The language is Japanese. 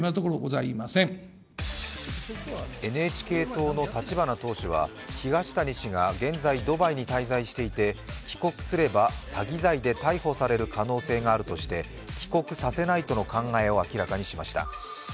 ＮＨＫ党の立花党首は東谷氏が現在ドバイに滞在していて帰国すれば詐欺罪で逮捕される可能性があるとして帰国させないとの考えを明らかにしました。